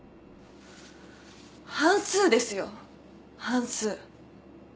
半数ですよ半数。